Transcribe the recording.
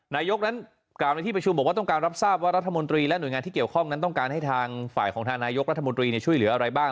นายกนั้นกล่าวในที่ประชุมบอกว่าต้องการรับทราบว่ารัฐมนตรีและหน่วยงานที่เกี่ยวข้องนั้นต้องการให้ทางฝ่ายของทางนายกรัฐมนตรีช่วยเหลืออะไรบ้าง